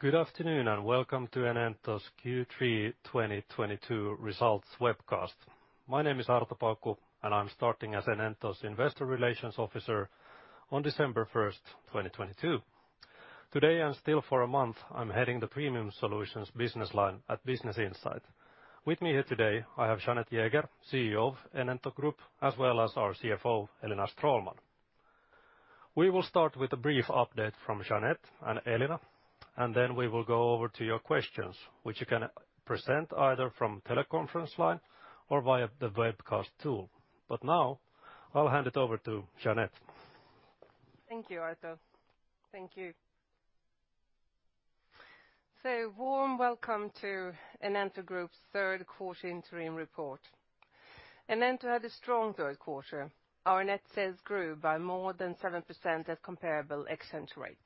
Good afternoon, and welcome to Enento's Q3 2022 results webcast. My name is Arto Paukku, and I'm starting as Enento's investor relations officer on December 1st, 2022. Today, and still for a month, I'm heading the premium solutions business line at Business Insight. With me here today, I have Jeanette Jäger, CEO of Enento Group, as well as our CFO, Elina Stråhlman. We will start with a brief update from Jeanette and Elina, and then we will go over to your questions, which you can present either from teleconference line or via the webcast tool. Now, I'll hand it over to Jeanette. Thank you, Arto. Thank you. Warm welcome to Enento Group's third quarter interim report. Enento had a strong third quarter. Our net sales grew by more than 7% at comparable exchange rates.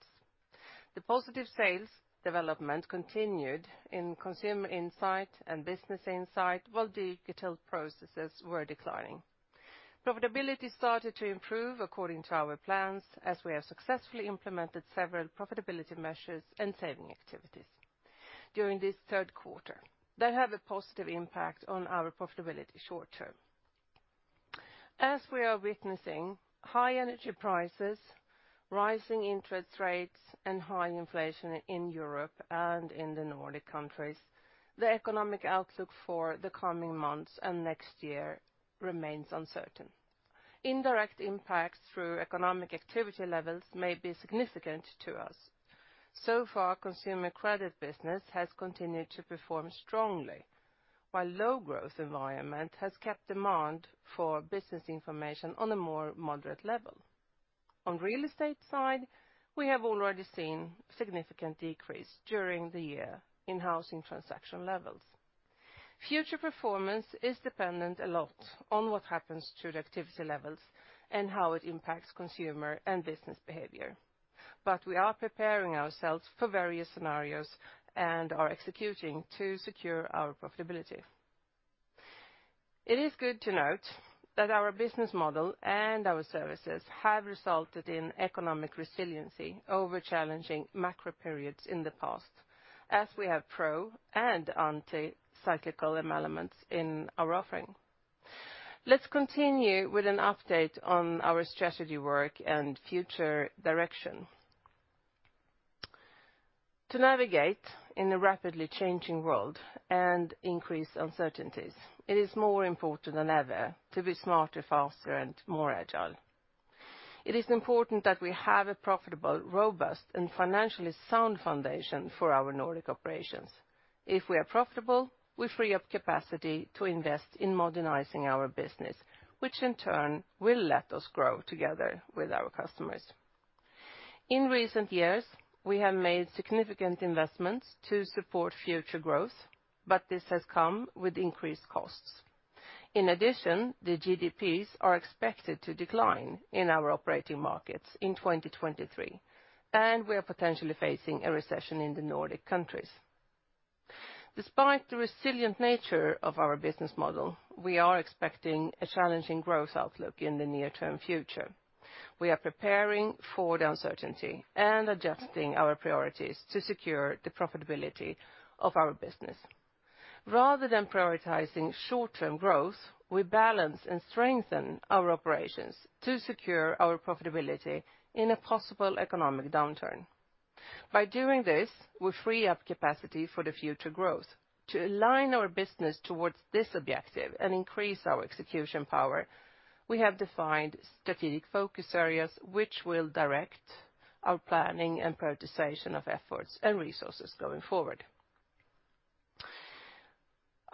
The positive sales development continued in Consumer Insight and Business Insight, while Digital Processes were declining. Profitability started to improve according to our plans as we have successfully implemented several profitability measures and saving activities during this third quarter that have a positive impact on our profitability short term. As we are witnessing high energy prices, rising interest rates, and high inflation in Europe and in the Nordic countries, the economic outlook for the coming months and next year remains uncertain. Indirect impacts through economic activity levels may be significant to us. So far, consumer credit business has continued to perform strongly, while low growth environment has kept demand for business information on a more moderate level. On real estate side, we have already seen significant decrease during the year in housing transaction levels. Future performance is dependent a lot on what happens to the activity levels and how it impacts consumer and business behavior. We are preparing ourselves for various scenarios and are executing to secure our profitability. It is good to note that our business model and our services have resulted in economic resiliency over challenging macro periods in the past, as we have pro and anti-cyclical elements in our offering. Let's continue with an update on our strategy work and future direction. To navigate in a rapidly changing world and increased uncertainties, it is more important than ever to be smarter, faster, and more agile. It is important that we have a profitable, robust, and financially sound foundation for our Nordic operations. If we are profitable, we free up capacity to invest in modernizing our business, which in turn will let us grow together with our customers. In recent years, we have made significant investments to support future growth, but this has come with increased costs. In addition, the GDPs are expected to decline in our operating markets in 2023, and we are potentially facing a recession in the Nordic countries. Despite the resilient nature of our business model, we are expecting a challenging growth outlook in the near-term future. We are preparing for the uncertainty and adjusting our priorities to secure the profitability of our business. Rather than prioritizing short-term growth, we balance and strengthen our operations to secure our profitability in a possible economic downturn. By doing this, we free up capacity for the future growth. To align our business towards this objective and increase our execution power, we have defined strategic focus areas which will direct our planning and prioritization of efforts and resources going forward.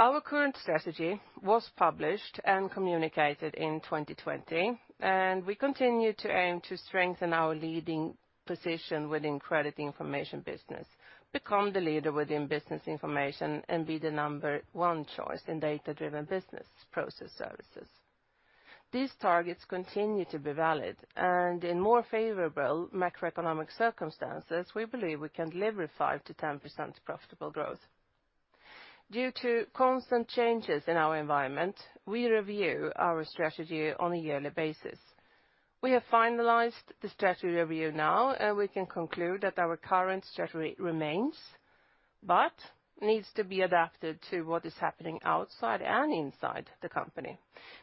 Our current strategy was published and communicated in 2020, and we continue to aim to strengthen our leading position within credit information business, become the leader within business information, and be the number one choice in data-driven business process services. These targets continue to be valid, and in more favorable macroeconomic circumstances, we believe we can deliver 5%-10% profitable growth. Due to constant changes in our environment, we review our strategy on a yearly basis. We have finalized the strategy review now, and we can conclude that our current strategy remains but needs to be adapted to what is happening outside and inside the company.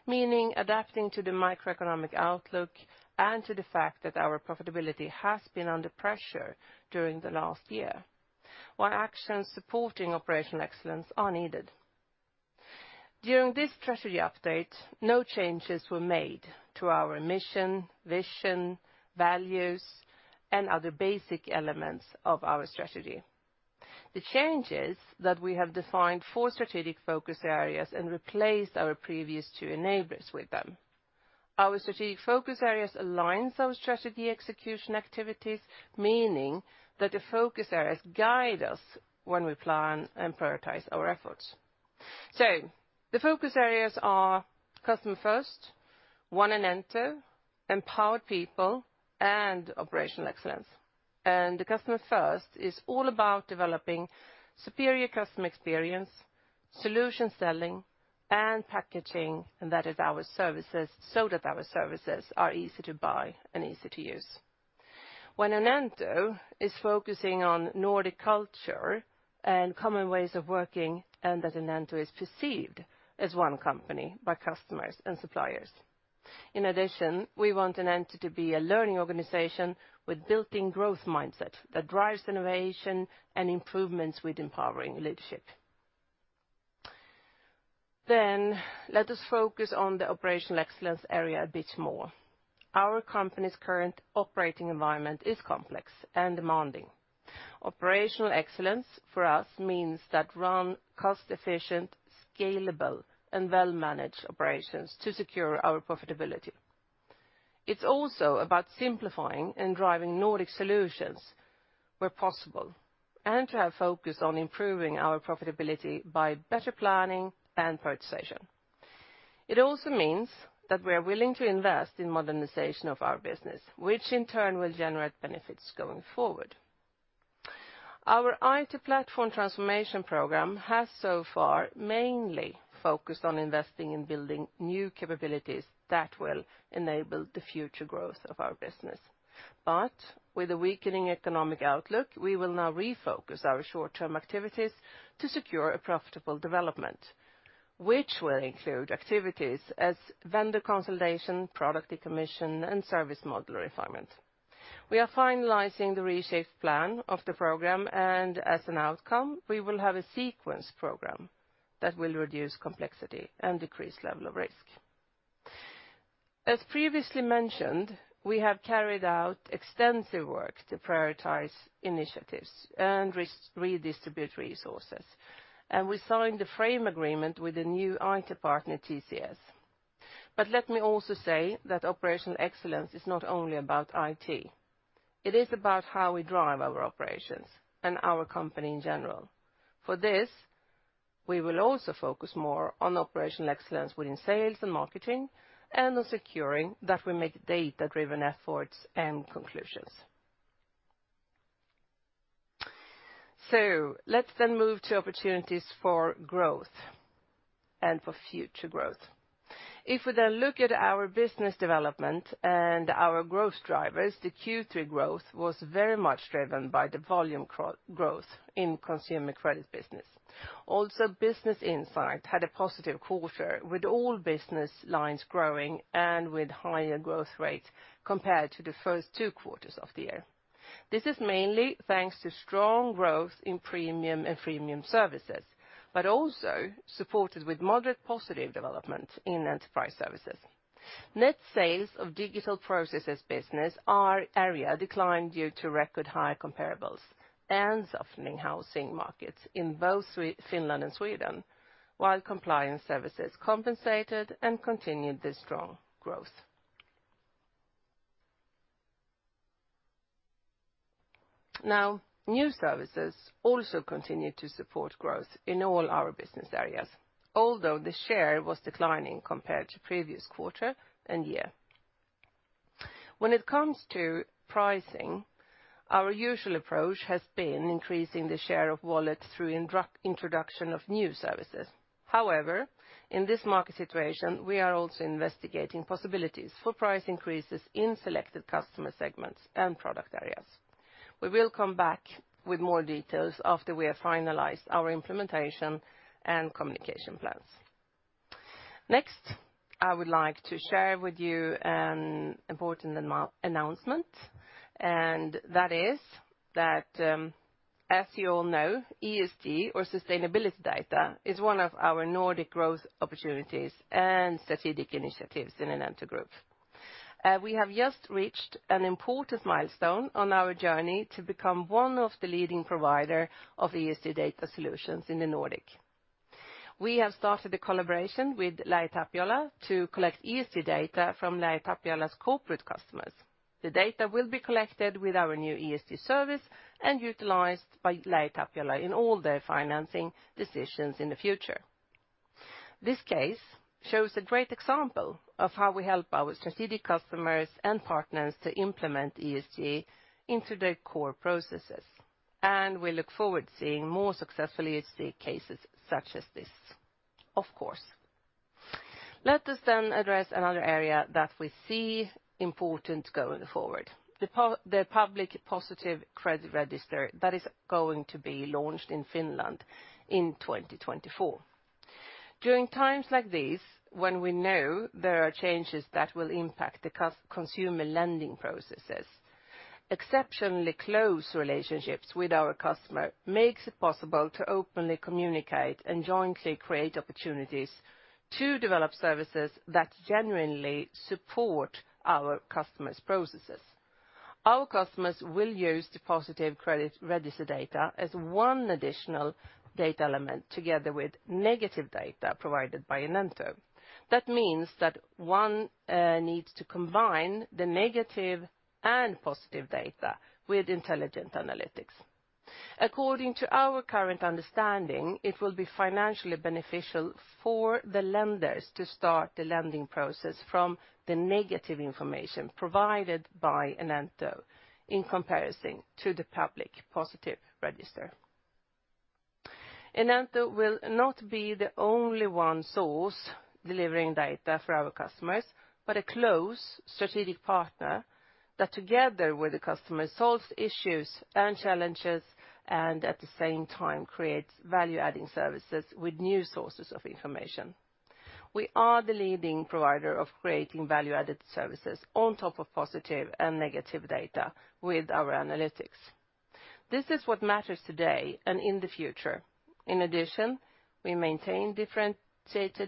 Meaning adapting to the macroeconomic outlook and to the fact that our profitability has been under pressure during the last year, while actions supporting operational excellence are needed. During this strategy update, no changes were made to our mission, vision, values, and other basic elements of our strategy. The change is that we have defined four strategic focus areas and replaced our previous two enablers with them. Our strategic focus areas aligns our strategy execution activities, meaning that the focus areas guide us when we plan and prioritize our efforts. The focus areas are customer first, one Enento, empowered people, and operational excellence. The customer first is all about developing superior customer experience, solution selling and packaging, and that is our services, so that our services are easy to buy and easy to use. When Enento is focusing on Nordic culture and common ways of working, and that Enento is perceived as one company by customers and suppliers. In addition, we want Enento to be a learning organization with built-in growth mindset that drives innovation and improvements with empowering leadership. Let us focus on the operational excellence area a bit more. Our company's current operating environment is complex and demanding. Operational excellence for us means to run cost-efficient, scalable, and well-managed operations to secure our profitability. It's also about simplifying and driving Nordic solutions where possible, and to have focus on improving our profitability by better planning and purchasing. It also means that we are willing to invest in modernization of our business, which in turn will generate benefits going forward. Our IT platform transformation program has so far mainly focused on investing in building new capabilities that will enable the future growth of our business. With a weakening economic outlook, we will now refocus our short-term activities to secure a profitable development, which will include such as vendor consolidation, product decommission, and service model requirements. We are finalizing the reshaped plan of the program, and as an outcome, we will have a sequenced program that will reduce complexity and decrease level of risk. As previously mentioned, we have carried out extensive work to prioritize initiatives and redistribute resources, and we signed the framework agreement with the new IT partner, TCS. Let me also say that operational excellence is not only about IT. It is about how we drive our operations and our company in general. For this, we will also focus more on operational excellence within sales and marketing, and on securing that we make data-driven efforts and conclusions. Let's then move to opportunities for growth and for future growth. If we then look at our business development and our growth drivers, the Q3 growth was very much driven by the volume growth in consumer credit business. Also, Business Insight had a positive quarter, with all business lines growing and with higher growth rates compared to the first two quarters of the year. This is mainly thanks to strong growth in premium and freemium services, but also supported with moderate positive development in enterprise services. Net sales of Digital Processes business area declined due to record high comparables and softening housing markets in both Finland and Sweden, while compliance services compensated and continued the strong growth. Now, new services also continued to support growth in all our business areas, although the share was declining compared to previous quarter and year. When it comes to pricing, our usual approach has been increasing the share of wallet through introduction of new services. However, in this market situation, we are also investigating possibilities for price increases in selected customer segments and product areas. We will come back with more details after we have finalized our implementation and communication plans. Next, I would like to share with you an important announcement, and that is that, as you all know, ESG or sustainability data is one of our Nordic growth opportunities and strategic initiatives in Enento Group. We have just reached an important milestone on our journey to become one of the leading provider of ESG data solutions in the Nordic. We have started a collaboration with LähiTapiola to collect ESG data from LähiTapiola's corporate customers. The data will be collected with our new ESG service and utilized by LähiTapiola in all their financing decisions in the future. This case shows a great example of how we help our strategic customers and partners to implement ESG into their core processes, and we look forward to seeing more successful ESG cases such as this, of course. Let us address another area that we see important going forward, the public positive credit register that is going to be launched in Finland in 2024. During times like these, when we know there are changes that will impact the consumer lending processes, exceptionally close relationships with our customer makes it possible to openly communicate and jointly create opportunities to develop services that genuinely support our customers' processes. Our customers will use the Positive Credit Register data as one additional data element together with negative data provided by Enento. That means that one needs to combine the negative and positive data with intelligent analytics. According to our current understanding, it will be financially beneficial for the lenders to start the lending process from the negative information provided by Enento in comparison to the public Positive Credit Register. Enento will not be the only one source delivering data for our customers, but a close strategic partner that together with the customer solves issues and challenges, and at the same time creates value-adding services with new sources of information. We are the leading provider of creating value-added services on top of positive and negative data with our analytics. This is what matters today and in the future. In addition, we maintain differentiated set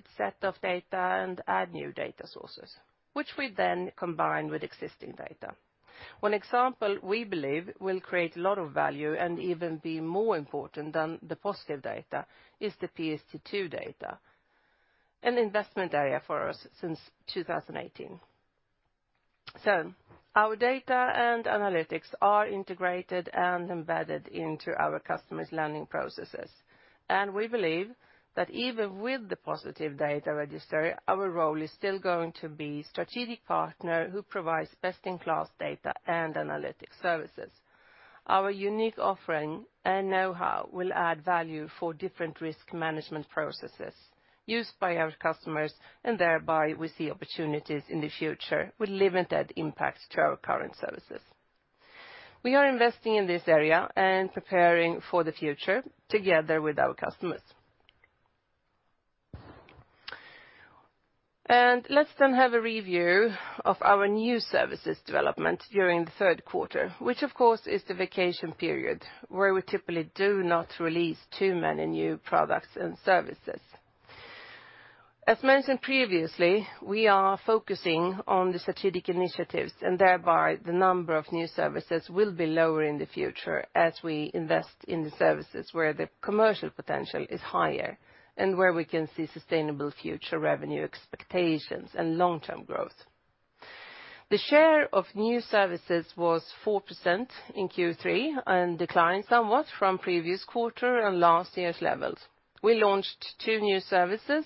of data and add new data sources, which we then combine with existing data. One example we believe will create a lot of value and even be more important than the positive data is the PSD2 data, an investment area for us since 2018. Our data and analytics are integrated and embedded into our customers' lending processes. We believe that even with the positive data registry, our role is still going to be strategic partner who provides best in class data and analytic services. Our unique offering and know-how will add value for different risk management processes used by our customers, and thereby we see opportunities in the future with limited impact to our current services. We are investing in this area and preparing for the future together with our customers. Let's then have a review of our new services development during the third quarter, which of course is the vacation period where we typically do not release too many new products and services. As mentioned previously, we are focusing on the strategic initiatives, and thereby the number of new services will be lower in the future as we invest in the services where the commercial potential is higher and where we can see sustainable future revenue expectations and long-term growth. The share of new services was 4% in Q3 and declined somewhat from previous quarter and last year's levels. We launched two new services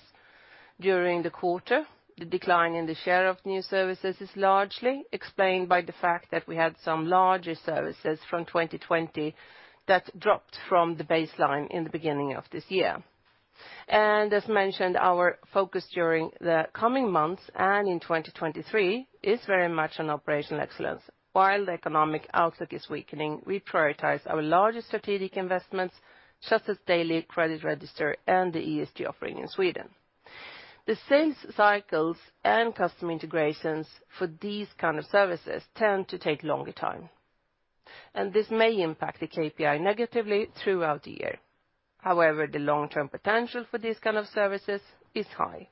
during the quarter. The decline in the share of new services is largely explained by the fact that we had some larger services from 2020 that dropped from the baseline in the beginning of this year. As mentioned, our focus during the coming months and in 2023 is very much on operational excellence. While the economic outlook is weakening, we prioritize our largest strategic investments, such as daily credit register and the ESG offering in Sweden. The sales cycles and custom integrations for these kind of services tend to take longer time, and this may impact the KPI negatively throughout the year. However, the long-term potential for these kind of services is high.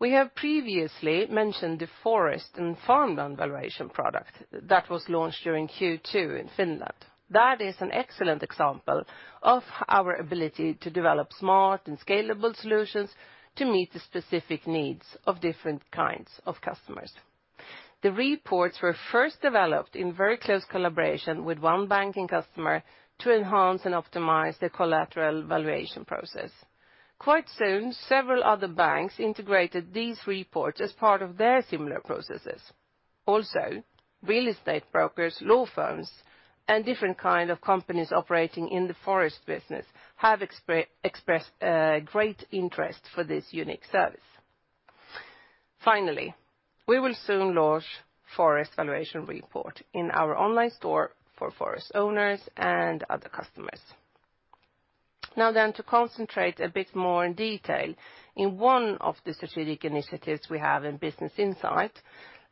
We have previously mentioned the forest and farmland valuation product that was launched during Q2 in Finland. That is an excellent example of our ability to develop smart and scalable solutions to meet the specific needs of different kinds of customers. The reports were first developed in very close collaboration with one banking customer to enhance and optimize their collateral valuation process. Quite soon, several other banks integrated these reports as part of their similar processes. Also, real estate brokers, law firms, and different kind of companies operating in the forest business have expressed great interest for this unique service. Finally, we will soon launch forest valuation report in our online store for forest owners and other customers. Now then to concentrate a bit more in detail in one of the strategic initiatives we have in Business Insight,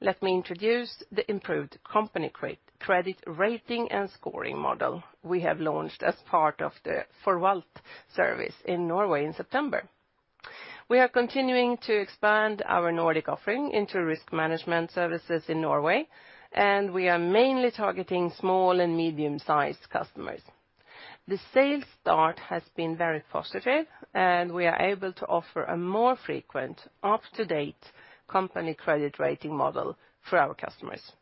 let me introduce the improved company credit rating and scoring model we have launched as part of the Proff Forvalt service in Norway in September. We are continuing to expand our Nordic offering into risk management services in Norway, and we are mainly targeting small and medium-sized customers. The sales start has been very positive, and we are able to offer a more frequent up-to-date company credit rating model for our customers.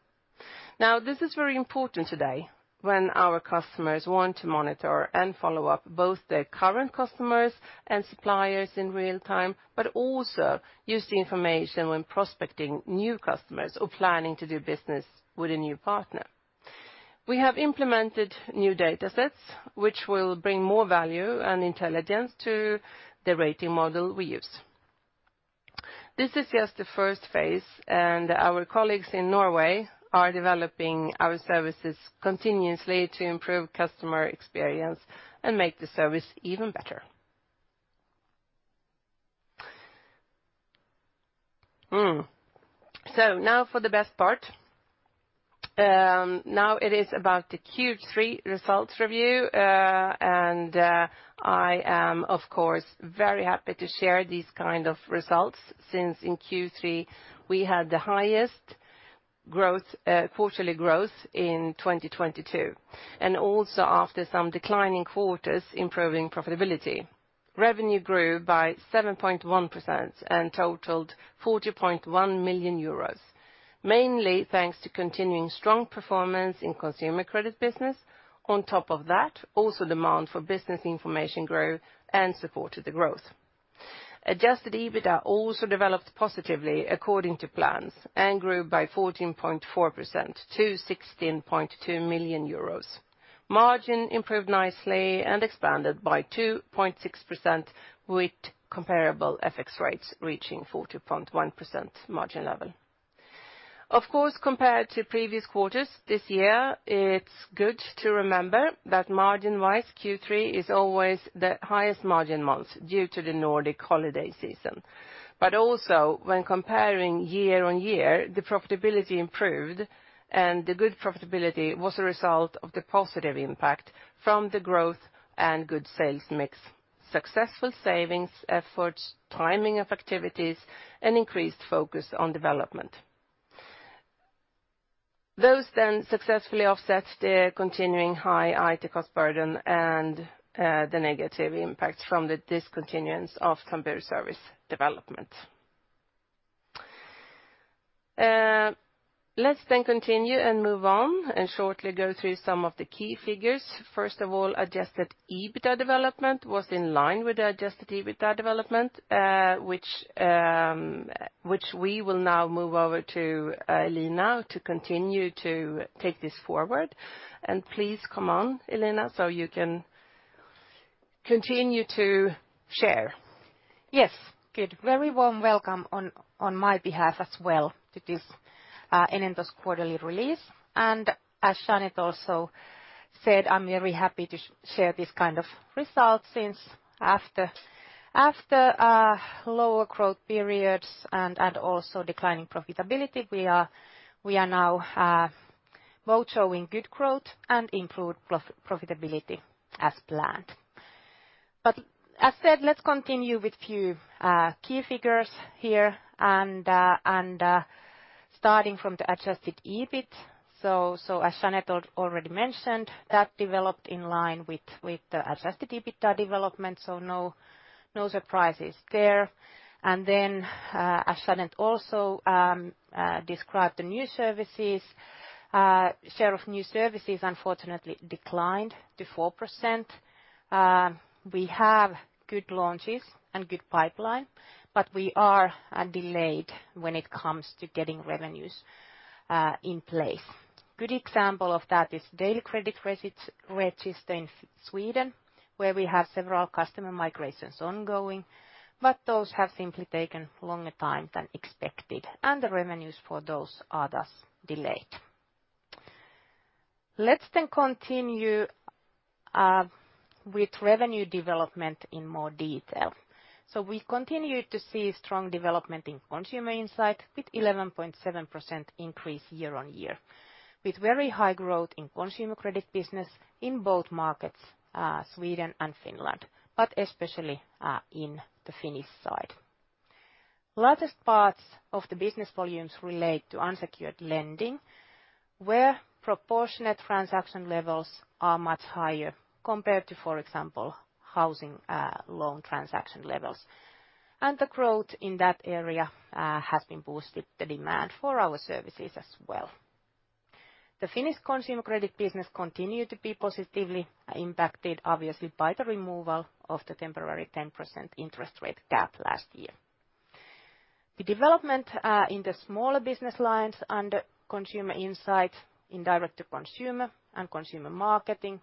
Now, this is very important today when our customers want to monitor and follow up both their current customers and suppliers in real time, but also use the information when prospecting new customers or planning to do business with a new partner. We have implemented new datasets which will bring more value and intelligence to the rating model we use. This is just the first phase, and our colleagues in Norway are developing our services continuously to improve customer experience and make the service even better. Now for the best part. Now it is about the Q3 results review. I am of course very happy to share these kind of results since in Q3 we had the highest growth, quarterly growth in 2022, and also after some declining quarters, improving profitability. Revenue grew by 7.1% and totaled 40.1 million euros, mainly thanks to continuing strong performance in consumer credit business. On top of that, also demand for business information grew and supported the growth. Adjusted EBITDA also developed positively according to plans and grew by 14.4% to 16.2 million euros. Margin improved nicely and expanded by 2.6% with comparable FX rates reaching 40.1% margin level. Of course, compared to previous quarters this year, it's good to remember that margin-wise Q3 is always the highest margin months due to the Nordic holiday season. Also when comparing year-on-year, the profitability improved, and the good profitability was a result of the positive impact from the growth and good sales mix, successful savings efforts, timing of activities, and increased focus on development. Those successfully offset the continuing high IT cost burden and the negative impact from the discontinuance of computer service development. Let's continue and move on, and shortly go through some of the key figures. First of all, adjusted EBITDA development was in line with the adjusted EBITDA development, which we will now move over to Elina to continue to take this forward. Please come on, Elina, so you can continue to share. Yes, good. Very warm welcome on my behalf as well to this Enento's quarterly release. As Jeanette also said, I'm very happy to share this kind of results since after lower growth periods and also declining profitability, we are now both showing good growth and improved profitability as planned. As said, let's continue with few key figures here and starting from the adjusted EBIT. As Jeanette already mentioned, that developed in line with the adjusted EBITDA development, so no surprises there. Then, as Jeanette also described the new services, share of new services unfortunately declined to 4%. We have good launches and good pipeline, but we are delayed when it comes to getting revenues in place. Good example of that is daily credit register in Sweden, where we have several customer migrations ongoing, but those have simply taken longer time than expected, and the revenues for those are thus delayed. Let's continue with revenue development in more detail. We continue to see strong development in Consumer Insight with 11.7% increase year-on-year, with very high growth in consumer credit business in both markets, Sweden and Finland, but especially in the Finnish side. Largest parts of the business volumes relate to unsecured lending, where proportionate transaction levels are much higher compared to, for example, housing loan transaction levels. The growth in that area has been boosted the demand for our services as well. The Finnish consumer credit business continued to be positively impacted obviously by the removal of the temporary 10% interest rate cap last year. The development in the smaller business lines under Consumer Insight in direct to consumer and consumer marketing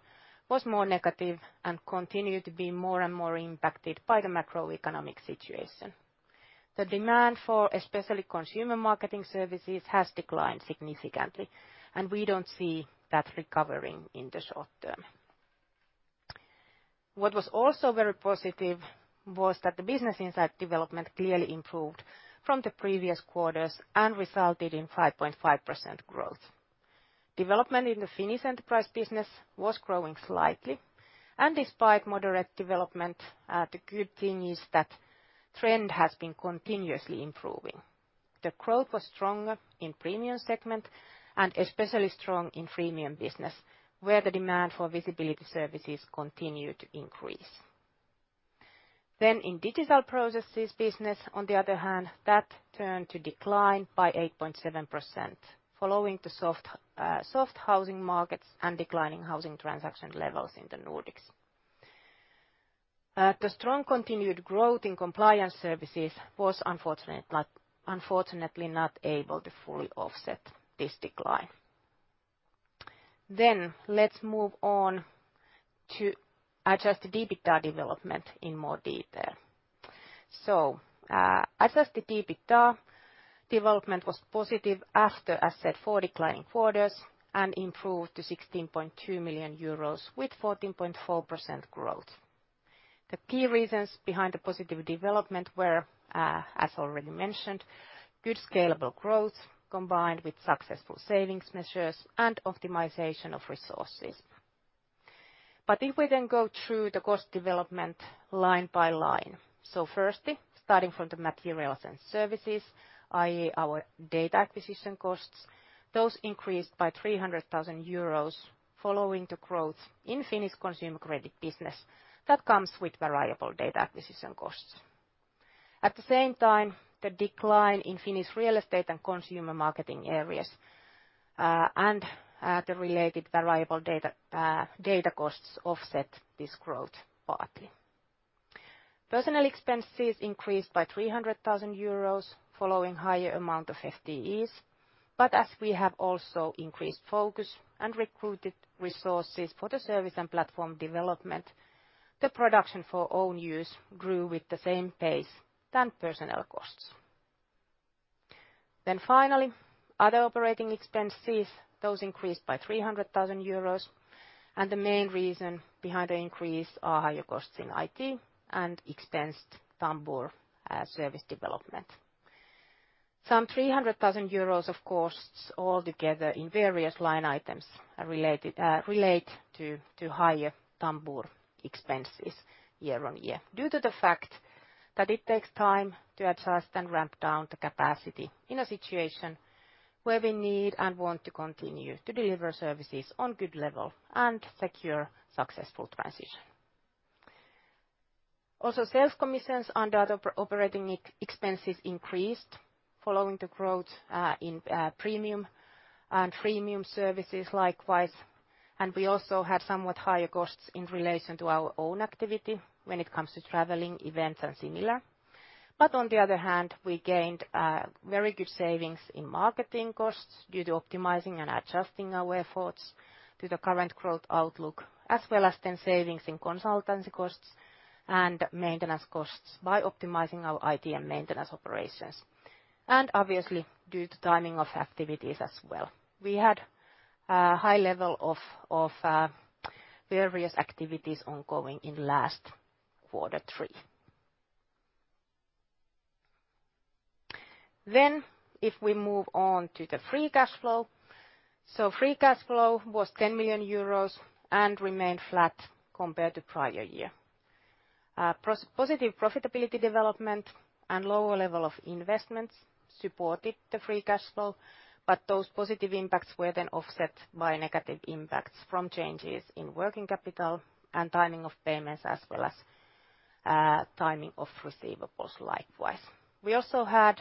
was more negative and continued to be more and more impacted by the macroeconomic situation. The demand for especially consumer marketing services has declined significantly, and we don't see that recovering in the short term. What was also very positive was that the Business Insight development clearly improved from the previous quarters and resulted in 5.5% growth. Development in the Finnish enterprise business was growing slightly, and despite moderate development, the good thing is that trend has been continuously improving. The growth was stronger in premium segment and especially strong in freemium business, where the demand for visibility services continued to increase. In Digital Processes business, on the other hand, that turned to decline by 8.7% following the soft housing markets and declining housing transaction levels in the Nordics. The strong continued growth in compliance services was unfortunately not able to fully offset this decline. Let's move on to adjusted EBITDA development in more detail. Adjusted EBITDA development was positive after, as said, 4 declining quarters and improved to 16.2 million euros with 14.4% growth. The key reasons behind the positive development were, as already mentioned, good scalable growth combined with successful savings measures and optimization of resources. If we then go through the cost development line by line. Firstly, starting from the materials and services, i.e., our data acquisition costs, those increased by 300,000 euros following the growth in Finnish consumer credit business that comes with variable data acquisition costs. At the same time, the decline in Finnish real estate and consumer marketing areas, and the related variable data costs offset this growth partly. Personnel expenses increased by 300,000 euros following higher amount of FTEs. As we have also increased focus and recruited resources for the service and platform development, the production for own use grew with the same pace than personnel costs. Finally, other operating expenses, those increased by 300,000 euros and the main reason behind the increase are higher costs in IT and expensed Tambur service development. 300,000 euros of costs all together in various line items are related to higher Tambur expenses year-on-year due to the fact that it takes time to adjust and ramp down the capacity in a situation where we need and want to continue to deliver services on good level and secure successful transition. Also, sales commissions on the other operating expenses increased following the growth in premium and freemium services likewise, and we also had somewhat higher costs in relation to our own activity when it comes to traveling, events, and similar. On the other hand, we gained very good savings in marketing costs due to optimizing and adjusting our efforts to the current growth outlook, as well as then savings in consultancy costs and maintenance costs by optimizing our IT and maintenance operations, and obviously, due to timing of activities as well. We had a high level of various activities ongoing in last Q3. If we move on to the free cash flow, free cash flow was 10 million euros and remained flat compared to prior year. Positive profitability development and lower level of investments supported the free cash flow, but those positive impacts were then offset by negative impacts from changes in working capital and timing of payments, as well as, timing of receivables likewise. We also had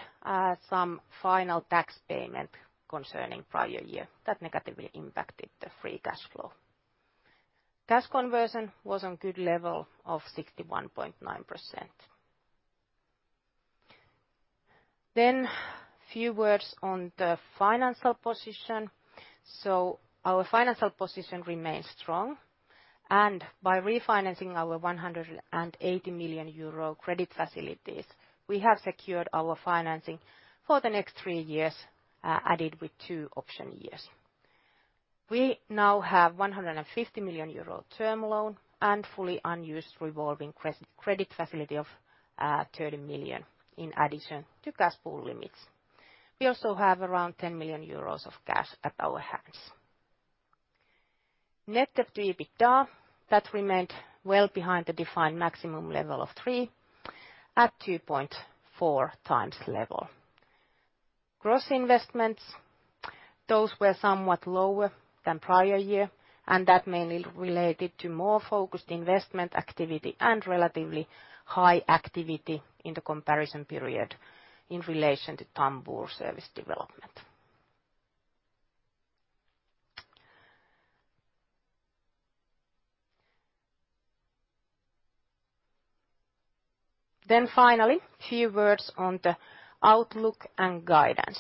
some final tax payment concerning prior year that negatively impacted the free cash flow. Cash conversion was on good level of 61.9%. Few words on the financial position. Our financial position remains strong, and by refinancing our 180 million euro credit facilities, we have secured our financing for the next three years, added with two option years. We now have 150 million euro term loan and fully unused revolving credit facility of 30 million in addition to cash pool limits. We also have around 10 million euros of cash at our hands. Net debt to EBITDA, that remained well behind the defined maximum level of three at 2.4x level. Gross investments, those were somewhat lower than prior year, and that mainly related to more focused investment activity and relatively high activity in the comparison period in relation to Tambur service development. Finally, few words on the outlook and guidance.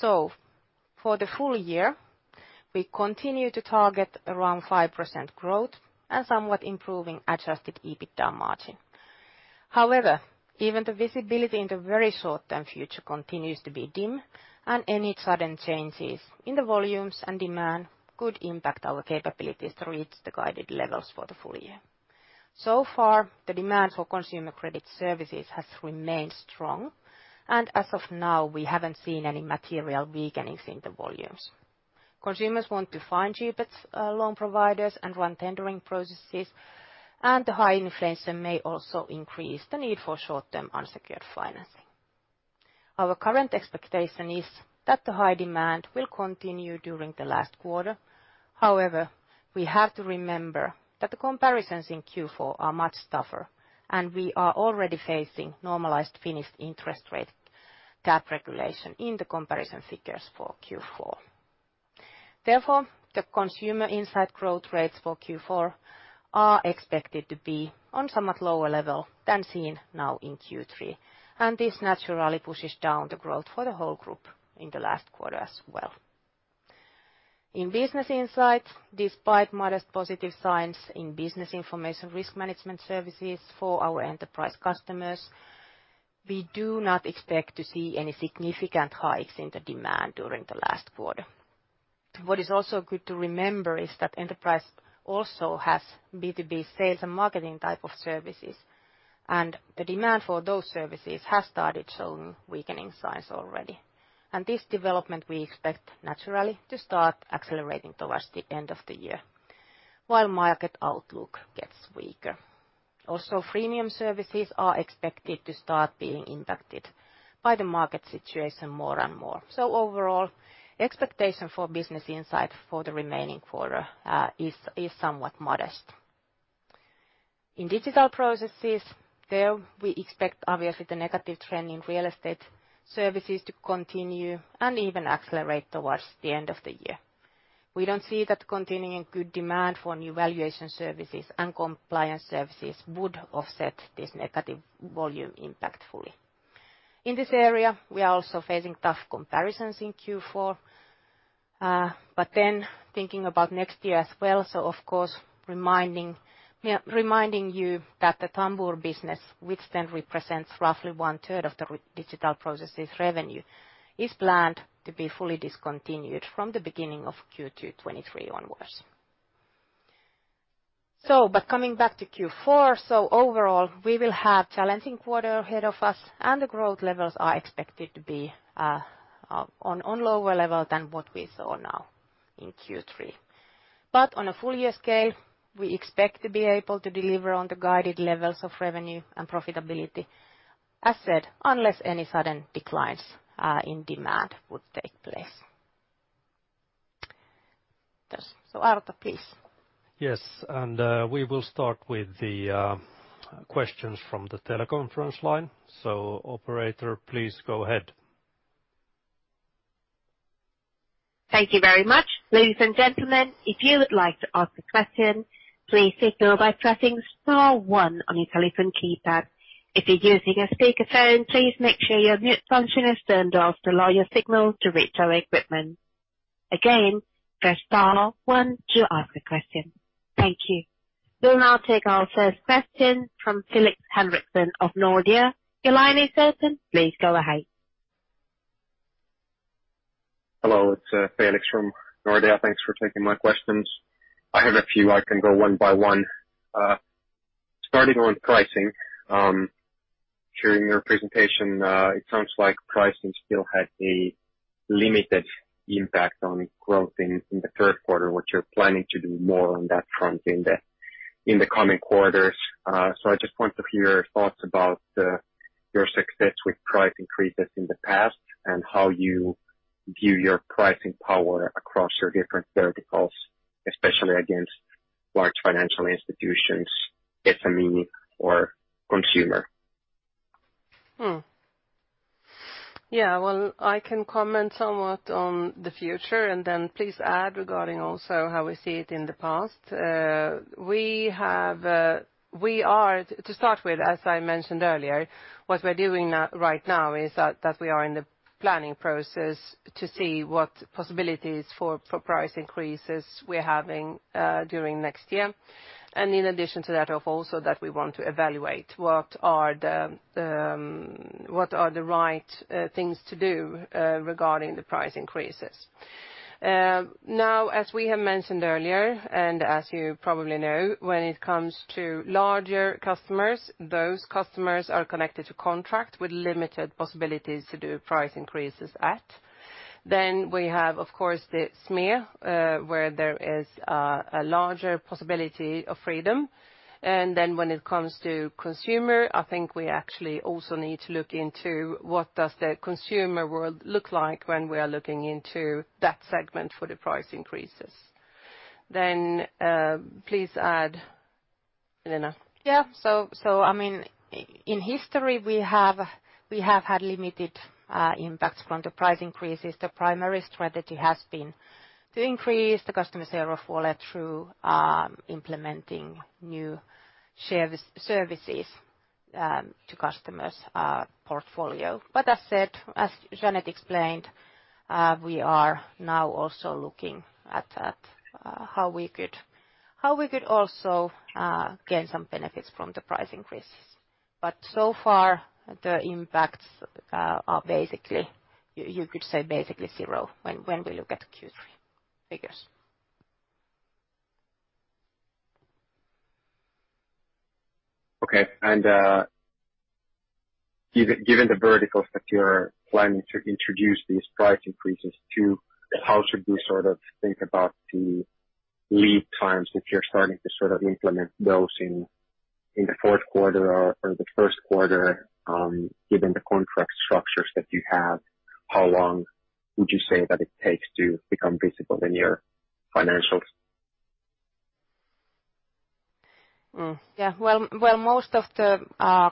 For the full year, we continue to target around 5% growth and somewhat improving adjusted EBITDA margin. However, even the visibility in the very short-term future continues to be dim, and any sudden changes in the volumes and demand could impact our capabilities to reach the guided levels for the full year. So far, the demand for consumer credit services has remained strong, and as of now, we haven't seen any material weakenings in the volumes. Consumers want to find cheaper, loan providers and run tendering processes, and the high inflation may also increase the need for short-term unsecured financing. Our current expectation is that the high demand will continue during the last quarter. However, we have to remember that the comparisons in Q4 are much tougher, and we are already facing normalized Finnish interest rate cap regulation in the comparison figures for Q4. Therefore, the Consumer Insight growth rates for Q4 are expected to be on somewhat lower level than seen now in Q3, and this naturally pushes down the growth for the whole group in the last quarter as well. In Business Insight, despite modest positive signs in business information risk management services for our enterprise customers, we do not expect to see any significant hikes in the demand during the last quarter. What is also good to remember is that enterprise also has B2B sales and marketing type of services, and the demand for those services has started showing weakening signs already. This development we expect naturally to start accelerating towards the end of the year while market outlook gets weaker. Also, freemium services are expected to start being impacted by the market situation more and more. Overall, expectation for Business Insight for the remaining quarter is somewhat modest. In Digital Processes, there we expect obviously the negative trend in real estate services to continue and even accelerate towards the end of the year. We don't see that continuing good demand for new valuation services and compliance services would offset this negative volume impact fully. In this area, we are also facing tough comparisons in Q4, but then thinking about next year as well. Of course, reminding you that the Tambur business, which then represents roughly one-third of the digital processes revenue, is planned to be fully discontinued from the beginning of Q2 2023 onwards. Coming back to Q4, overall we will have challenging quarter ahead of us, and the growth levels are expected to be on lower level than what we saw now in Q3. On a full year scale, we expect to be able to deliver on the guided levels of revenue and profitability, as said, unless any sudden declines in demand would take place. Arto, please. Yes. We will start with the questions from the teleconference line. Operator, please go ahead. Thank you very much. Ladies and gentlemen, if you would like to ask a question, please signal by pressing star one on your telephone keypad. If you're using a speaker phone, please make sure your mute function is turned off to allow your signal to reach our equipment. Again, press star one to ask a question. Thank you. We'll now take our first question from Felix Henriksson of Nordea. Your line is open. Please go ahead. Hello, it's Felix from Nordea. Thanks for taking my questions. I have a few. I can go one by one. Starting on pricing, hearing your presentation, it sounds like pricing still had a limited impact on growth in the third quarter, what you're planning to do more on that front in the coming quarters. I just wanted to hear your thoughts about your success with price increases in the past and how you view your pricing power across your different verticals, especially against large financial institutions, SME or consumer. Well, I can comment somewhat on the future and then please add regarding also how we see it in the past. To start with, as I mentioned earlier, what we're doing right now is that we are in the planning process to see what possibilities for price increases we're having during next year. In addition to that, also we want to evaluate what are the right things to do regarding the price increases. Now, as we have mentioned earlier, and as you probably know, when it comes to larger customers, those customers are tied to contracts with limited possibilities to do price increases. We have, of course, the SME where there is a larger possibility of freedom. When it comes to consumer, I think we actually also need to look into what does the consumer world look like when we are looking into that segment for the price increases. Please add, Elina. I mean, in history, we have had limited impacts from the price increases. The primary strategy has been to increase the customer share of wallet through implementing new services to customers portfolio. As said, as Jeanette explained, we are now also looking at how we could also gain some benefits from the price increases. So far, the impacts are basically, you could say, basically zero when we look at Q3 figures. Given the verticals that you're planning to introduce these price increases to, how should we sort of think about the lead times if you're starting to sort of implement those in the fourth quarter or the first quarter, given the contract structures that you have, how long would you say that it takes to become visible in your financials? Well, most of the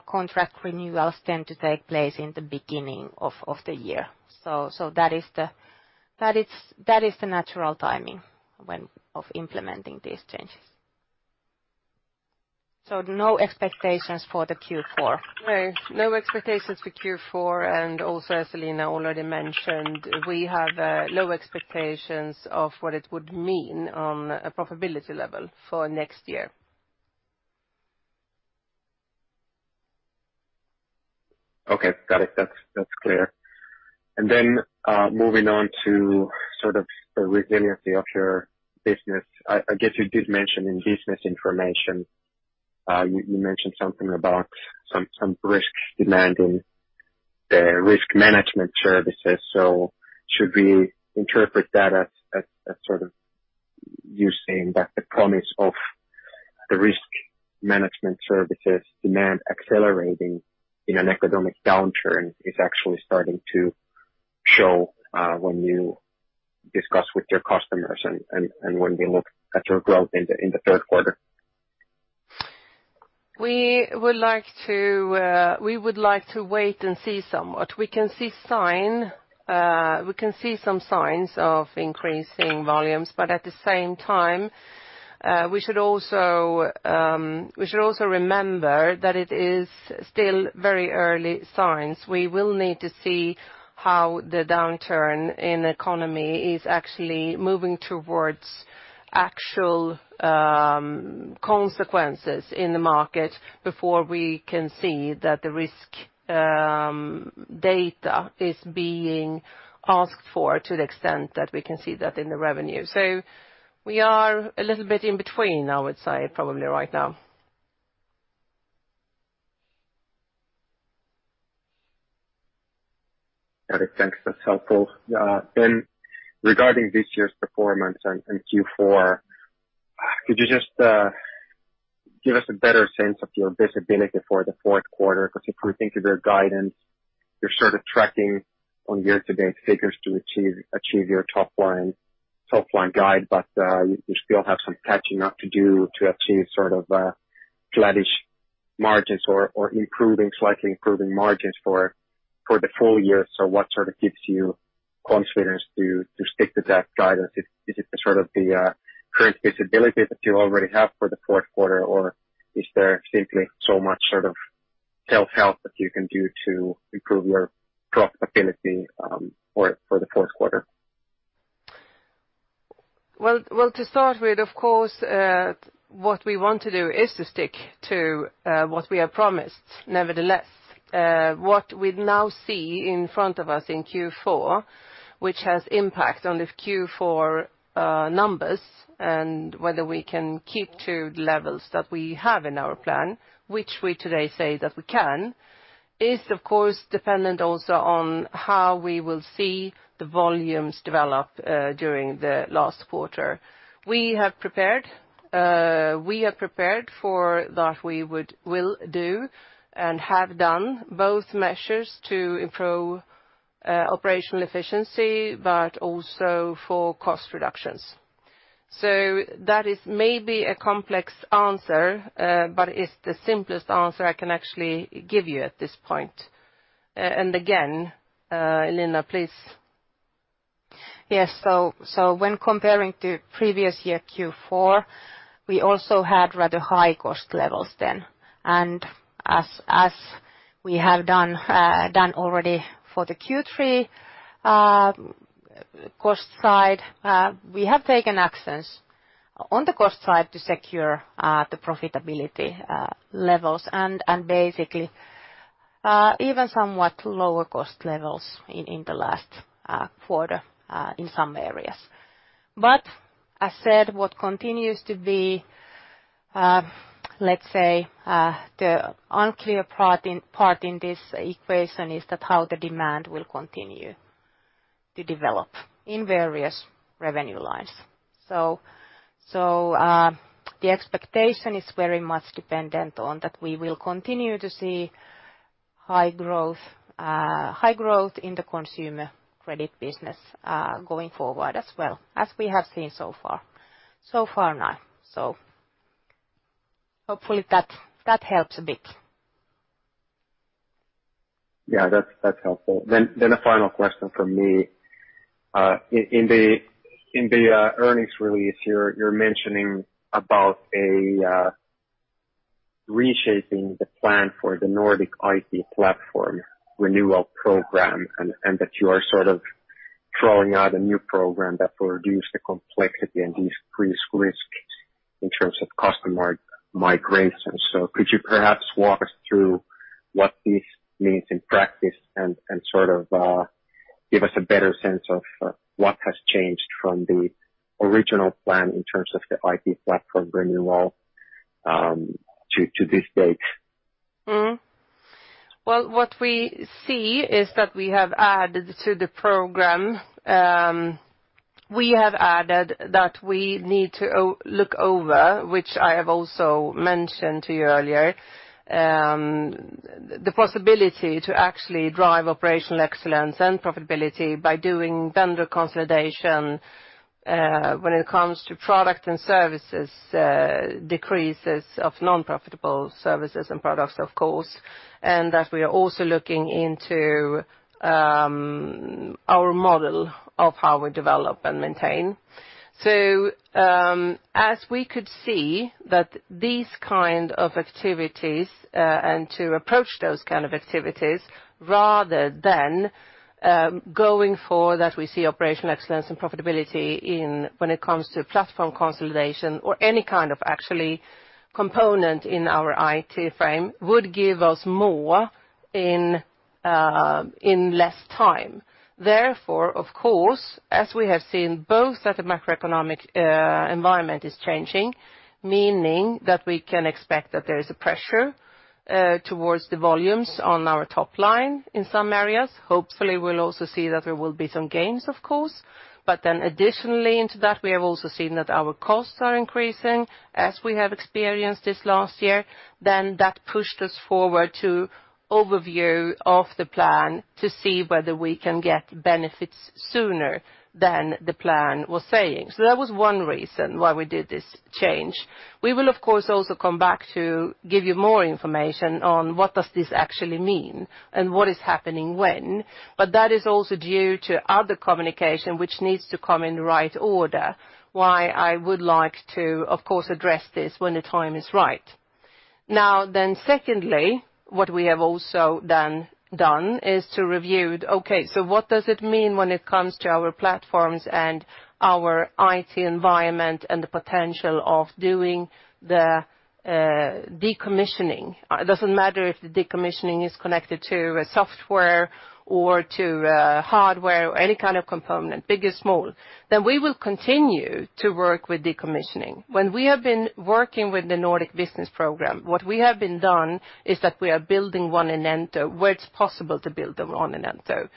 contract renewals tend to take place in the beginning of the year. That is the natural timing for implementing these changes. No expectations for the Q4. No. No expectations for Q4. Also, as Elina already mentioned, we have low expectations of what it would mean on a profitability level for next year. Okay. Got it. That's clear. Moving on to sort of the resiliency of your business. I guess you mentioned in business information something about some risk demand in the risk management services. Should we interpret that as sort of you saying that the promise of the risk management services demand accelerating in an economic downturn is actually starting to show when you discuss with your customers and when we look at your growth in the third quarter. We would like to wait and see somewhat. We can see some signs of increasing volumes, but at the same time, we should also remember that it is still very early signs. We will need to see how the downturn in the economy is actually moving towards actual consequences in the market before we can see that the risk data is being asked for to the extent that we can see that in the revenue. We are a little bit in between, I would say, probably right now. Got it. Thanks. That's helpful. Regarding this year's performance and Q4, could you just give us a better sense of your visibility for the fourth quarter? Because if we think of your guidance, you're sort of tracking on year-to-date figures to achieve your top line guide, but you still have some catching up to do to achieve sort of flattish margins or improving, slightly improving margins for the full year. What sort of gives you confidence to stick to that guidance? Is it sort of the current visibility that you already have for the fourth quarter, or is there simply so much sort of self-help that you can do to improve your profitability for the fourth quarter? Well, to start with, of course, what we want to do is to stick to what we have promised. Nevertheless, what we now see in front of us in Q4, which has impact on the Q4 numbers and whether we can keep to the levels that we have in our plan, which we today say that we can, is of course dependent also on how we will see the volumes develop during the last quarter. We have prepared, we are prepared for that we will do and have done both measures to improve operational efficiency, but also for cost reductions. That is maybe a complex answer, but it's the simplest answer I can actually give you at this point. Again, Elina, Please. Yes. When comparing to previous year Q4, we also had rather high cost levels then. As we have done already for the Q3 cost side, we have taken actions on the cost side to secure the profitability levels and basically even somewhat lower cost levels in the last quarter in some areas. As said, what continues to be, let's say, the unclear part in this equation is that how the demand will continue to develop in various revenue lines. The expectation is very much dependent on that we will continue to see high growth in the consumer credit business going forward as well as we have seen so far now. Hopefully that helps a bit. Yeah, that's helpful. A final question from me. In the earnings release, you're mentioning about a reshaping the plan for the Nordic IT platform renewal program, and that you are sort of drawing out a new program that will reduce the complexity and decrease risks in terms of customer migration. Could you perhaps walk us through what this means in practice and sort of give us a better sense of what has changed from the original plan in terms of the IT platform renewal to this date? Well, what we see is that we have added to the program that we need to look over, which I have also mentioned to you earlier, the possibility to actually drive operational excellence and profitability by doing vendor consolidation when it comes to products and services, decreases of non-profitable services and products, of course. That we are also looking into our model of how we develop and maintain. As we could see that these kind of activities and to approach those kind of activities rather than going for that, we see operational excellence and profitability in when it comes to platform consolidation or any kind of actually component in our IT framework would give us more in less time. Therefore, of course, as we have seen both at the macroeconomic environment is changing, meaning that we can expect that there is a pressure towards the volumes on our top line in some areas. Hopefully, we'll also see that there will be some gains, of course. Additionally into that, we have also seen that our costs are increasing as we have experienced this last year, then that pushed us forward to an overview of the plan to see whether we can get benefits sooner than the plan was saying. That was one reason why we did this change. We will, of course, also come back to give you more information on what does this actually mean and what is happening when. That is also due to other communication which needs to come in the right order. Why I would like to, of course, address this when the time is right. Now, secondly, what we have also done is to review. Okay, so what does it mean when it comes to our platforms and our IT environment and the potential of doing the decommissioning? It doesn't matter if the decommissioning is connected to a software or to hardware or any kind of component, big or small. We will continue to work with decommissioning. When we have been working with the Nordic Business program, what we have done is that we are building one in Enento, where it's possible to build them on Enento.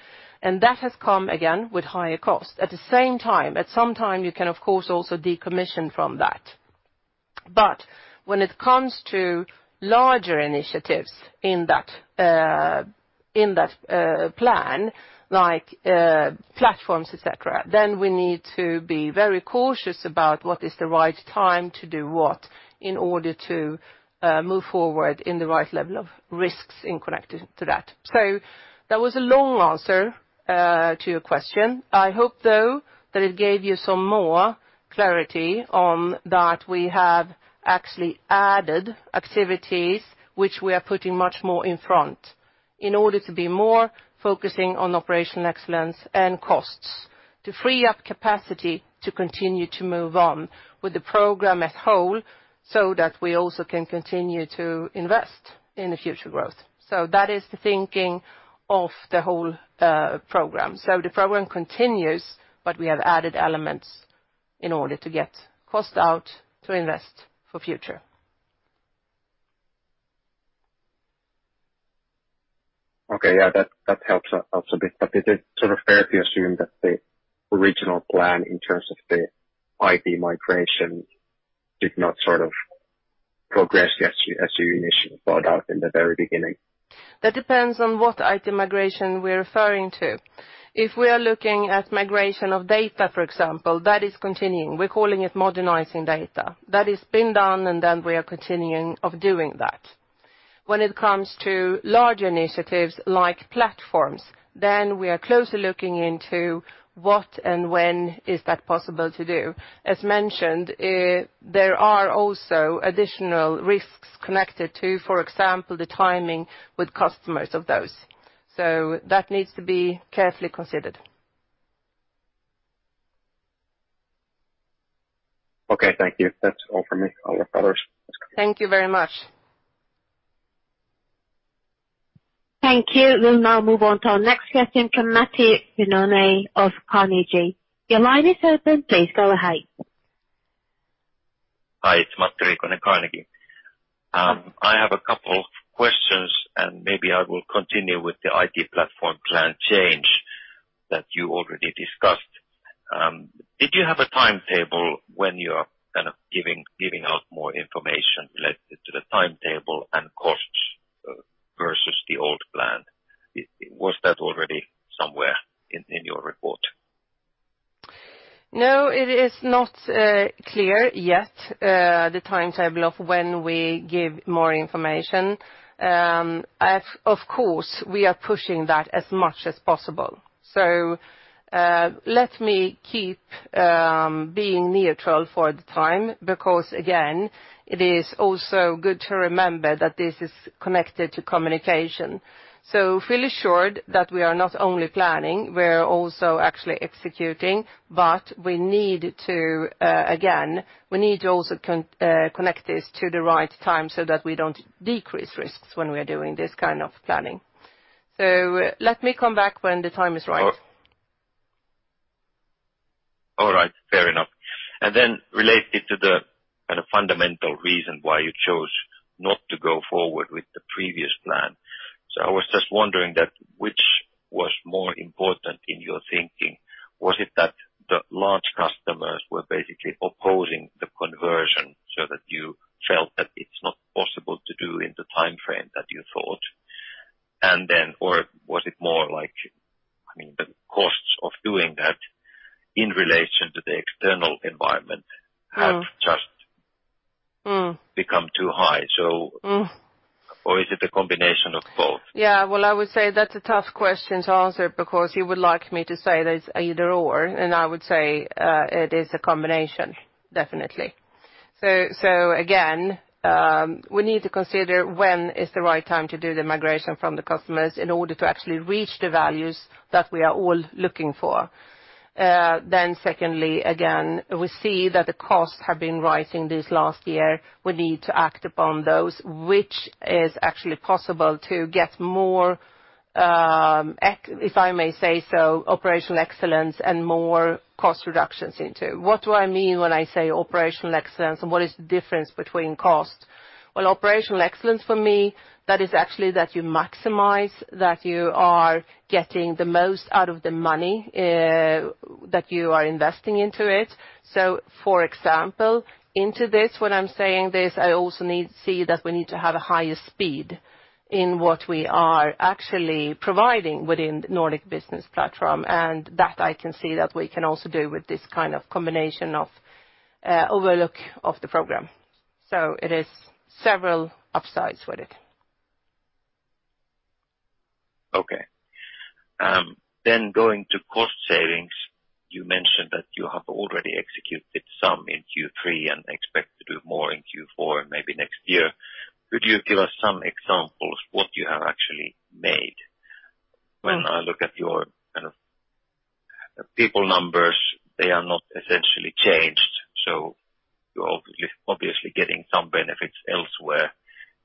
That has come along with higher cost. At the same time, you can of course also decommission from that. When it comes to larger initiatives in that plan, like platforms, et cetera, then we need to be very cautious about what is the right time to do what in order to move forward in the right level of risks in connecting to that. That was a long answer to your question. I hope, though, that it gave you some more clarity on that we have actually added activities which we are putting much more in front in order to be more focusing on operational excellence and costs, to free up capacity to continue to move on with the program as whole so that we also can continue to invest in the future growth. That is the thinking of the whole program. The program continues, but we have added elements in order to get cost out to invest for future. Okay. Yeah, that helps us a bit. But is it sort of fair to assume that the original plan in terms of the IT migration did not sort of progress as you initially thought out in the very beginning? That depends on what IT migration we're referring to. If we are looking at migration of data, for example, that is continuing. We're calling it modernizing data. That has been done, and then we are continuing of doing that. When it comes to large initiatives like platforms, then we are closely looking into what and when is that possible to do. As mentioned, there are also additional risks connected to, for example, the timing with customers of those. That needs to be carefully considered. Okay, thank you. That's all for me. I'll let others ask. Thank you very much. Thank you. We'll now move on to our next question from Matti Riikonen of Carnegie. Your line is open. Please go ahead. Hi, it's Matti from Carnegie. I have a couple of questions, and maybe I will continue with the IT platform plan change that you already discussed. Did you have a timetable when you are kind of giving out more information related to the timetable and costs versus the old plan? Was that already somewhere in your report? No, it is not clear yet, the timetable of when we give more information. Of course, we are pushing that as much as possible. Let me keep being neutral for the time because, again, it is also good to remember that this is connected to communication. Feel assured that we are not only planning, we're also actually executing, but we need to also connect this to the right time so that we don't decrease risks when we are doing this kind of planning. Let me come back when the time is right. All right. Fair enough. Related to the kind of fundamental reason why you chose not to go forward with the previous plan. I was just wondering that which was more important in your thinking? Was it that the large customers were basically opposing the conversion so that you felt that it's not possible to do in the time frame that you thought? Or was it more like, I mean, the costs of doing that in relation to the external environment have just become too high, is it a combination of both? Yeah. Well, I would say that's a tough question to answer because you would like me to say that it's either or, and I would say, it is a combination, definitely. Again, we need to consider when is the right time to do the migration from the customers in order to actually reach the values that we are all looking for. Secondly, again, we see that the costs have been rising this last year. We need to act upon those, which is actually possible to get more, if I may say so, operational excellence and more cost reductions into. What do I mean when I say operational excellence and what is the difference between cost? Well, operational excellence for me, that is actually that you maximize, that you are getting the most out of the money, that you are investing into it. For example, into this, when I'm saying this, I also need to see that we need to have a higher speed in what we are actually providing within the Nordic business platform. That I can see that we can also do with this kind of combination of overview of the program. It is several upsides with it. Okay. Going to cost savings, you mentioned that you have already executed some in Q3 and expect to do more in Q4 and maybe next year. Could you give us some examples what you have actually made? When I look at your kind of people numbers, they are not essentially changed. You're obviously getting some benefits elsewhere.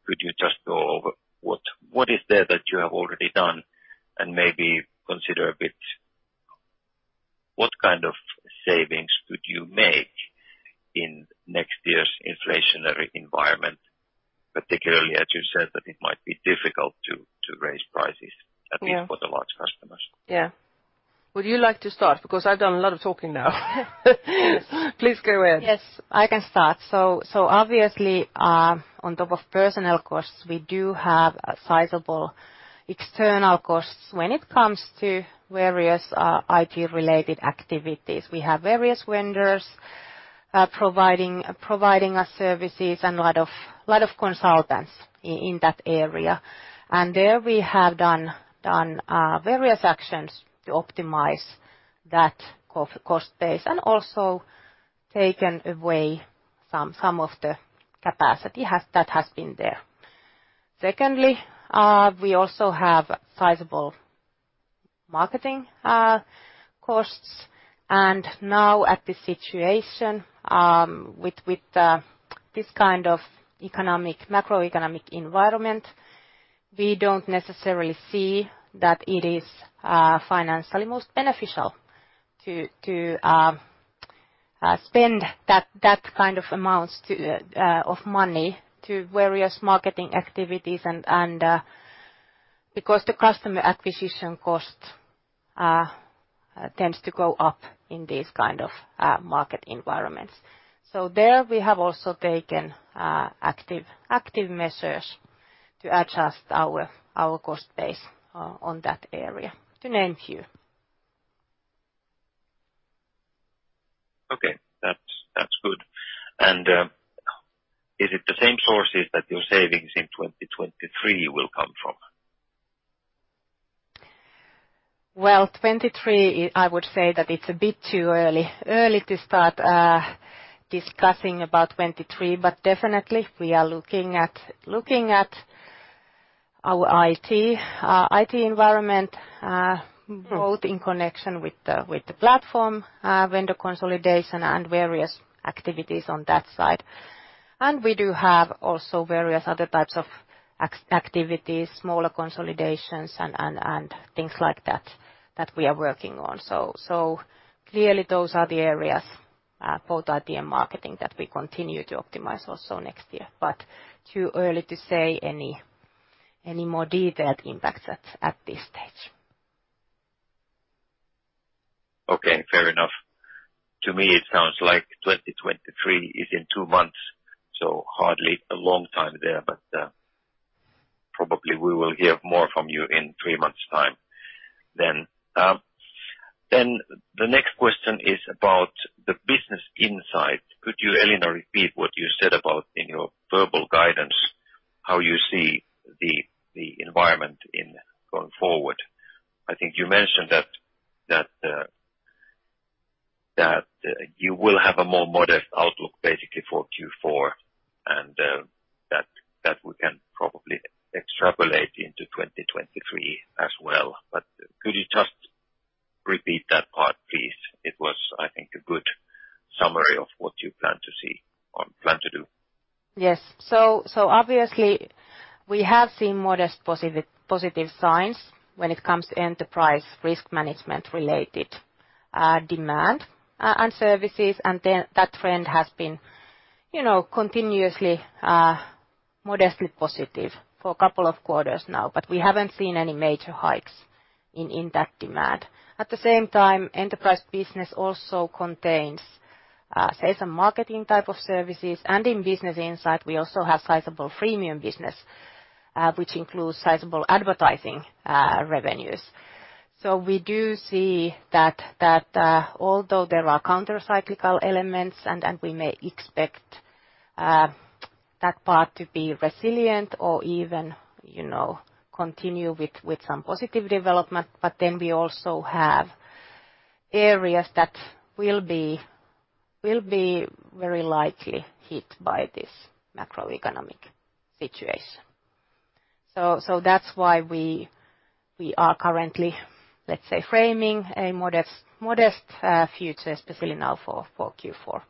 Could you just go over what is there that you have already done and maybe consider a bit what kind of savings could you make in next year's inflationary environment, particularly as you said that it might be difficult to raise prices? Yeah. At least for the large customers. Yeah. Would you like to start? Because I've done a lot of talking now. Yes. Please go ahead. Yes, I can start. Obviously, on top of personnel costs, we do have a sizable external costs when it comes to various IT-related activities. We have various vendors providing us services and a lot of consultants in that area. There we have done various actions to optimize that cost base and also taken away some of the capacity that has been there. Secondly, we also have sizable marketing costs. Now at this situation, with this kind of macroeconomic environment, we don't necessarily see that it is financially most beneficial to spend that kind of amounts of money to various marketing activities and because the customer acquisition cost tends to go up in these kind of market environments. There we have also taken active measures to adjust our cost base on that area, to name a few. Okay. That's good. Is it the same sources that your savings in 2023 will come from? Well, 2023, I would say that it's a bit too early to start discussing about 2023, but definitely we are looking at our IT environment both in connection with the platform vendor consolidation and various activities on that side. We do have also various other types of activities, smaller consolidations and things like that we are working on. So clearly those are the areas both IT and marketing that we continue to optimize also next year. But too early to say any more detailed impacts at this stage. Okay. Fair enough. To me it sounds like 2023 is in two months, so hardly a long time there. Probably we will hear more from you in three months time then. Then the next question is about the Business Insight. Could you, Elina, repeat what you said about in your verbal guidance, how you see the environment in going forward? I think you mentioned that you will have a more modest outlook basically for Q4 and that we can probably extrapolate into 2023 as well. Could you just repeat that part, please? It was, I think, a good summary of what you plan to see or plan to do. Yes. So obviously we have seen modest positive signs when it comes to enterprise risk management related demand and services. Then that trend has been, you know, continuously modestly positive for a couple of quarters now, but we haven't seen any major hikes in that demand. At the same time, enterprise business also contains sales and marketing type of services. In Business Insight, we also have sizable freemium business which includes sizable advertising revenues. We do see that although there are countercyclical elements and we may expect that part to be resilient or even, you know, continue with some positive development. We also have areas that will be very likely hit by this macroeconomic situation. That's why we are currently, let's say, framing a modest future, especially now for Q4.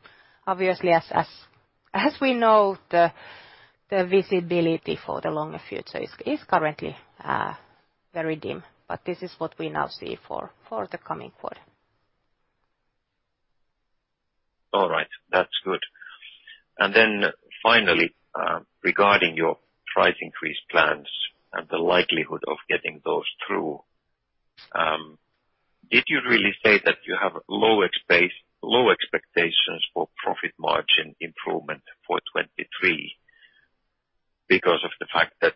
Obviously as we know, the visibility for the longer future is currently very dim, but this is what we now see for the coming quarter. All right. That's good. Finally, regarding your price increase plans and the likelihood of getting those through, did you really say that you have low expectations for profit margin improvement for 2023 because of the fact that,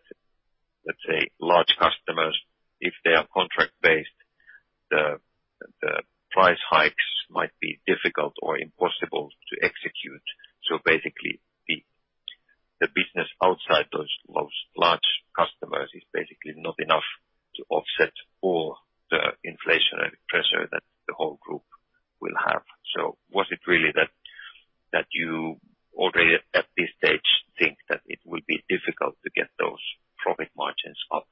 let's say, large customers, if they are contract-based, the price hikes might be difficult or impossible to execute. Basically the business outside those large customers is basically not enough to offset all the inflationary pressure that the whole group will have. Was it really that you already at this stage think that it will be difficult to get those profit margins up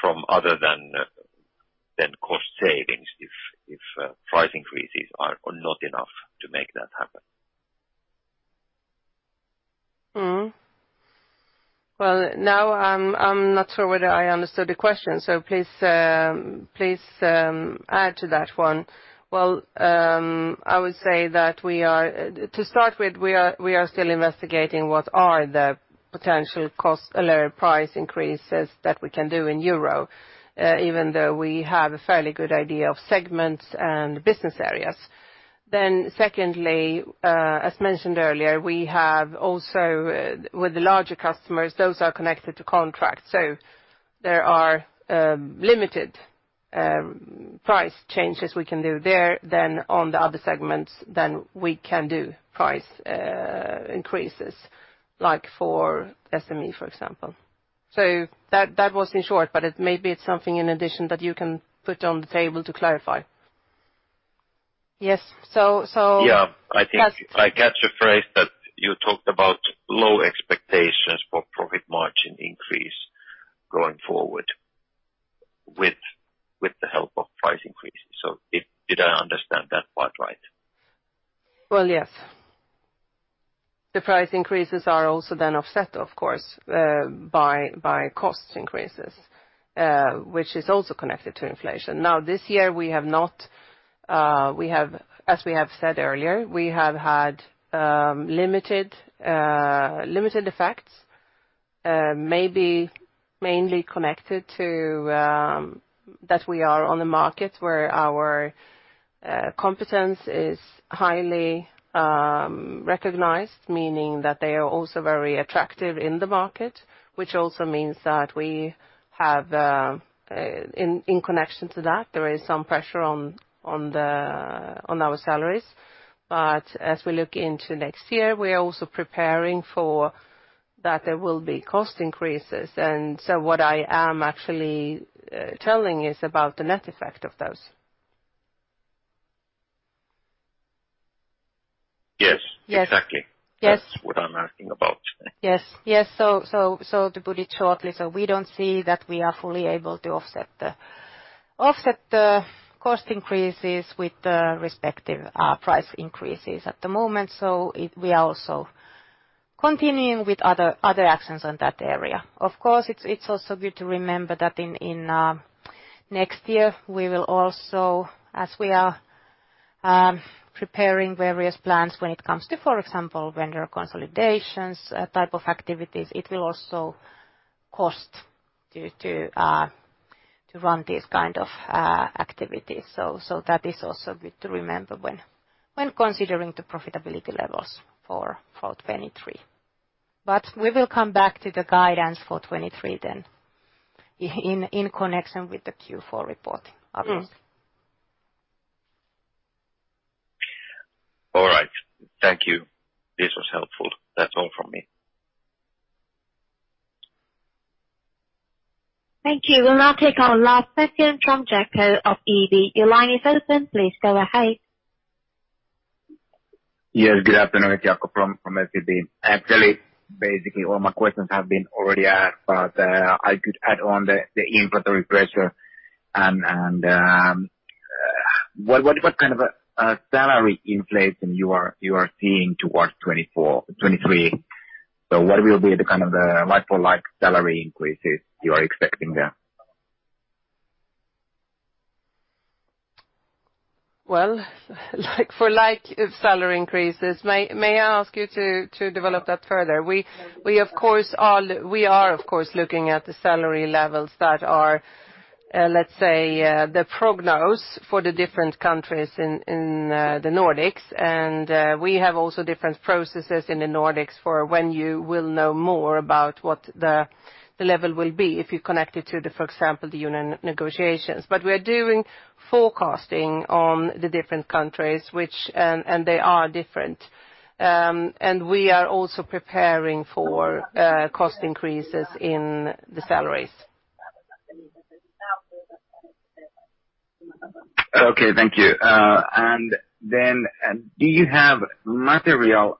from other than cost savings if price increases are not enough to make that happen? Mm-hmm. Well, now I'm not sure whether I understood the question, so please add to that one. Well, I would say that to start with, we are still investigating what are the potential cost or price increases that we can do in euro, even though we have a fairly good idea of segments and business areas. Secondly, as mentioned earlier, we also have with the larger customers, those are connected to contracts. There are limited price changes we can do there than in the other segments that we can do price increases, like for SME, for example. That was in short, but it may be it's something in addition that you can put on the table to clarify. Yeah. I think I catch a phrase that you talked about low expectations for profit margin increase going forward with the help of price increases. Did I understand that part right? Well, yes. The price increases are also then offset, of course, by cost increases, which is also connected to inflation. Now, this year, we have not, as we have said earlier, we have had limited effects, maybe mainly connected to that we are on the market where our competence is highly recognized, meaning that they are also very attractive in the market, which also means that we have, in connection to that, there is some pressure on our salaries. As we look into next year, we are also preparing for that there will be cost increases. What I am actually telling is about the net effect of those. Yes. Yes. Exactly. Yes. That's what I'm asking about. To put it shortly, we don't see that we are fully able to offset the cost increases with the respective price increases at the moment. We are also continuing with other actions on that area. Of course, it's also good to remember that in next year, we will also, as we are preparing various plans when it comes to, for example, vendor consolidations type of activities, it will also cost to run this kind of activities. That is also good to remember when considering the profitability levels for 2023. We will come back to the guidance for 2023 then in connection with the Q4 report, obviously. All right. Thank you. This was helpful. That's all from me. Thank you. We'll now take our last question from Jakob of EVLI. Your line is open. Please go ahead. Yes, good afternoon. It's Jakob from EVLI. Actually, basically, all my questions have been already asked, but I could add on the input pressure and what kind of salary inflation you are seeing towards 2023? What will be the kind of like-for-like salary increases you are expecting there? Well, like-for-like salary increases, may I ask you to develop that further? We are, of course, looking at the salary levels that are, let's say, the prognosis for the different countries in the Nordics. We have also different processes in the Nordics for when you will know more about what the level will be if you connect it to, for example, the union negotiations. We are doing forecasting on the different countries which, and they are different. We are also preparing for cost increases in the salaries. Okay, thank you. Do you have material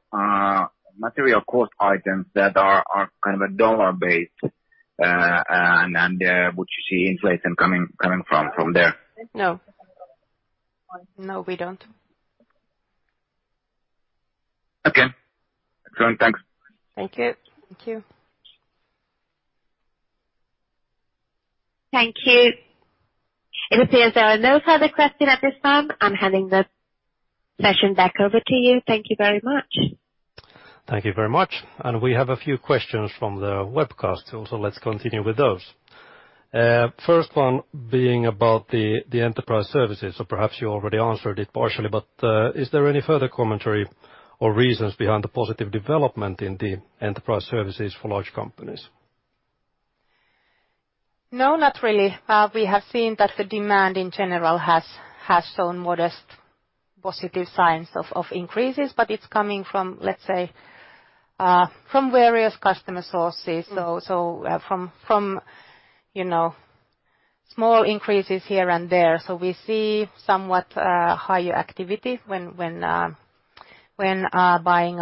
cost items that are kind of a dollar-based, and which you see inflation coming from there? No. No, we don't. Okay. Excellent. Thanks. Thank you. Thank you. Thank you. It appears there are no further questions at this time. I'm handing the session back over to you. Thank you very much. Thank you very much. We have a few questions from the webcast also. Let's continue with those. First one being about the enterprise services, or perhaps you already answered it partially, but is there any further commentary or reasons behind the positive development in the enterprise services for large companies? No, not really. We have seen that the demand in general has shown modest positive signs of increases, but it's coming from, let's say, from various customer sources, so from, you know, small increases here and there. We see somewhat higher activity when buying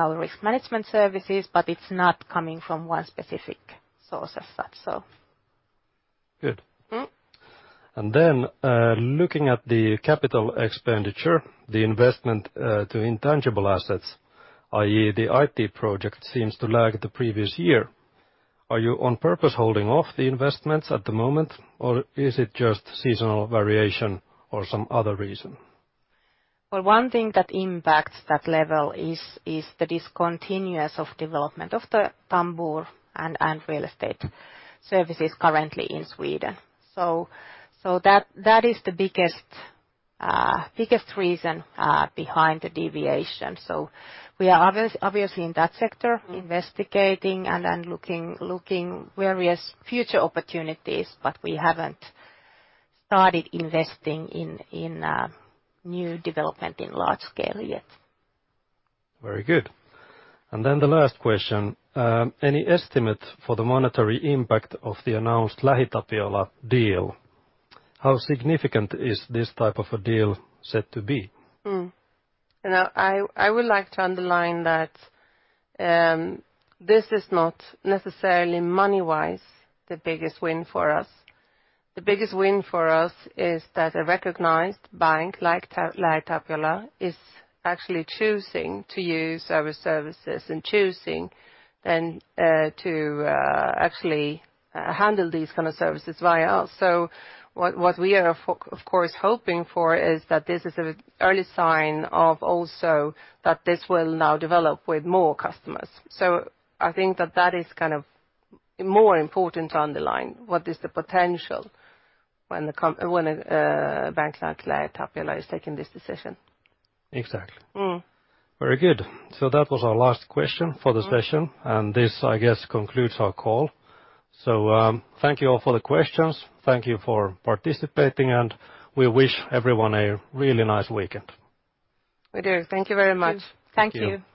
our risk management services, but it's not coming from one specific source as such, so. Good. Mm-hmm. Looking at the capital expenditure, the investment to intangible assets, i.e., the IT project seems to lag the previous year. Are you on purpose holding off the investments at the moment, or is it just seasonal variation or some other reason? Well, one thing that impacts that level is the discontinuation of development of the Tambur and real estate services currently in Sweden. That is the biggest reason behind the deviation. We are obviously in that sector investigating and then looking various future opportunities, but we haven't started investing in new development in large-scale yet. Very good. The last question, any estimate for the monetary impact of the announced LähiTapiola deal? How significant is this type of a deal set to be? Now, I would like to underline that this is not necessarily money-wise the biggest win for us. The biggest win for us is that a recognized bank like LähiTapiola is actually choosing to use our services and choosing then to actually handle these kind of services via us. What we are of course hoping for is that this is an early sign of also that this will now develop with more customers. I think that is kind of more important to underline what is the potential when a bank like LähiTapiola is taking this decision. Exactly. Mm. Very good. That was our last question for the session. This, I guess, concludes our call. Thank you all for the questions. Thank you for participating, and we wish everyone a really nice weekend. We do. Thank you very much. Thank you. Thank you.